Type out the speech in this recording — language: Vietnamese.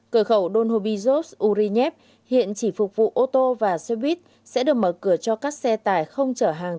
cửa khẩu donobijos urinev hiện chỉ phục vụ ô tô và xe buýt sẽ được mở cửa cho các xe tải không chở hàng